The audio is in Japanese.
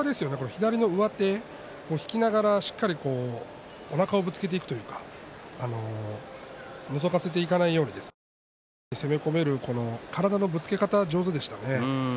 左の上手を引きながらしっかりとおなかをぶつけていくというかのぞかせていかないようにしっかりと前に攻め込める体のぶつけ方が上手でしたね。